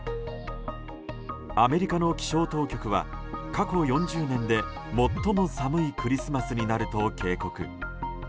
アメリカの気象当局は過去４０年で最も寒いクリスマスになると警告。